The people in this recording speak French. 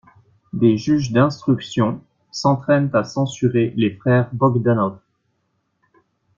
Des juges d'instruction s'entrainent à censurer les frères Bogdanov!